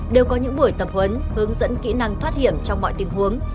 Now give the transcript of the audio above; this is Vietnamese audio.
đều có những buổi tập huấn hướng dẫn kỹ năng thoát hiểm trong mọi tình huống